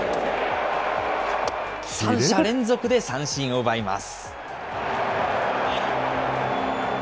３者連続で三振を奪います。